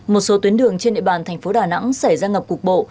một số tuyến đường trên địa bàn thành phố đà nẵng xảy ra ngập cục bộ